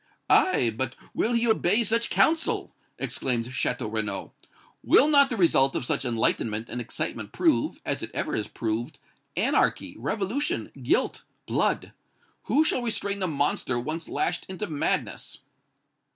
"Aye! but will he obey such counsel?" exclaimed Château Renaud. "Will not the result of such enlightenment and excitement prove, as it ever has proved, anarchy, revolution, guilt, blood? Who shall restrain the monster once lashed into madness?"